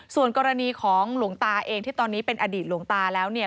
ส่วนกรณีของหลวงตาเองที่ตอนนี้เป็นอดีตหลวงตาแล้วเนี่ย